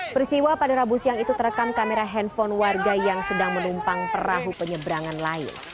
peristiwa pada rabu siang itu terekam kamera handphone warga yang sedang menumpang perahu penyebrangan lain